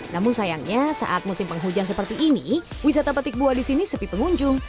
namun sayangnya saat musim penghujan seperti ini wisata petik buah di sini sepi pengunjung